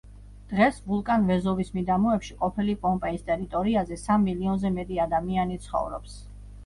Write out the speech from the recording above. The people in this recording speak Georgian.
დღეს ვულკან ვეზუვის მიდამოებში ყოფილი პომპეის ტერიტორიაზე სამ მილიონზე მეტი ადამიანი ცხოვრობს.